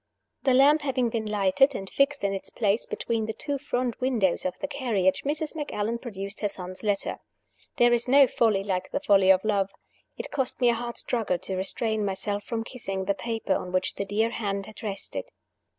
The lamp having been lighted, and fixed in its place between the two front windows of the carriage, Mrs. Macallan produced her son's letter. There is no folly like the folly of love. It cost me a hard struggle to restrain myself from kissing the paper on which the dear hand had rested.